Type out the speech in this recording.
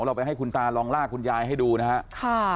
เราไปให้คุณตาลองลากคุณยายให้ดูนะครับ